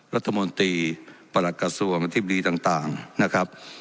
รัฐมนตรีประหลักกระทรวงอธิบดีต่างนะครับ